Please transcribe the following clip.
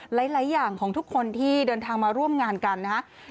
หลายอย่างของทุกคนที่เดินทางมาร่วมงานกันนะครับ